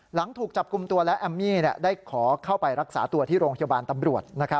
หลังถูกจับกลุ่มตัวและแอมมี่ได้ขอเข้าไปรักษาตัวที่โรงพยาบาลตำรวจ